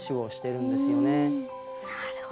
なるほど。